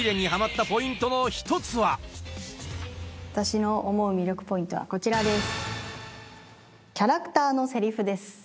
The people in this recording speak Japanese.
１つは私の思う魅力ポイントはこちらです。